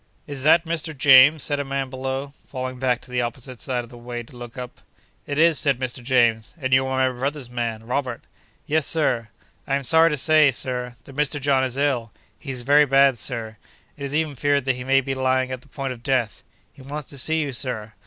'Is that Mr. James?' said a man below, falling back to the opposite side of the way to look up. 'It is,' said Mr. James, 'and you are my brother's man, Robert.' 'Yes, Sir. I am sorry to say, Sir, that Mr. John is ill. He is very bad, Sir. It is even feared that he may be lying at the point of death. He wants to see you, Sir.